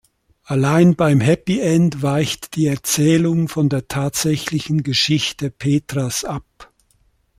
Allein beim Happy End weicht die Erzählung von der tatsächlichen Geschichte Petras ab.